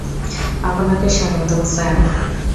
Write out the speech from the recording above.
আপনাকে স্বাগতম, স্যার!